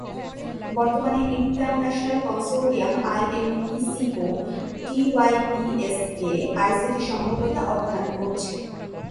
বর্তমানে, international consortium INECO TYPSA ICT সম্ভাব্যতা অধ্যয়ন করছে।